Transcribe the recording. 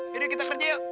yaudah kita kerja yuk